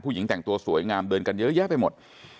หญิงแต่งตัวสวยงามเดินกันเยอะแยะไปหมด